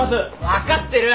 分かってる！